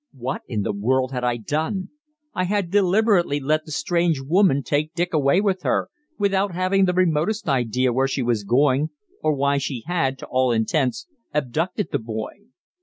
What in the world had I done! I had deliberately let the strange woman take Dick away with her, without having the remotest idea where she was going or why she had, to all intents, abducted the boy.